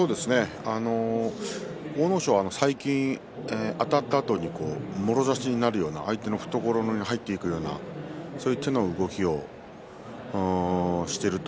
阿武咲は最近あたったあとにもろ差しになるような相手の懐に入っていくようなそういう手の動きをしていると。